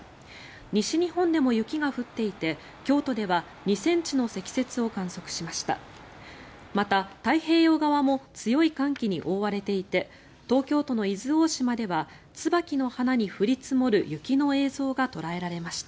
西日本でも雪が降っていて京都では２ｃｍの積雪を観測しました。